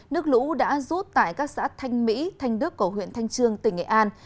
nước lũ đã rút tại các xã thanh mỹ thanh đức cầu huyện thanh trương tỉnh nghệ an